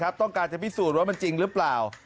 เอาลงข้าวหรือเปล่า